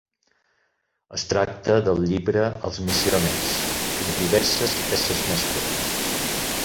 Es tracta del llibre "Els missioners" i de diverses peces més curtes.